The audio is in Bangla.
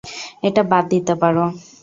এটা বাদ দিতে পারো।